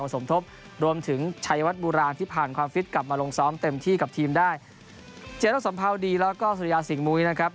สมทบรวมถึงชัยวัดโบราณที่ผ่านความฟิตกลับมาลงซ้อมเต็มที่กับทีมได้เจรสมภาวดีแล้วก็สุริยาสิงหมุยนะครับ